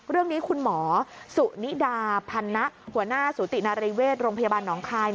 เรื่องนี้คุณหมอสุนิดาพันนะหัวหน้าสูตินารีเวชโรงพยาบาลหนองคาย